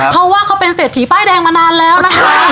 เพราะว่าเขาเป็นเศรษฐีป้ายแดงมานานแล้วนะคะ